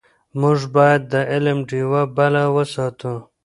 موږ باید د علم ډېوه بله وساتو.